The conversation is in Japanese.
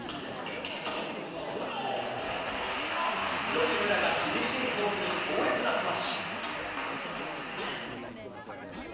吉村が厳しいコースに強烈なスマッシュ。